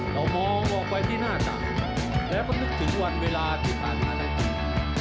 เรามองออกไปที่หน้าจังและก็นึกถึงวันเวลาที่อาณาจริง